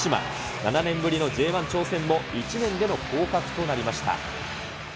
７年ぶりのＪ１挑戦も１年での降格となりました。